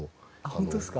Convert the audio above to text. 本当ですか？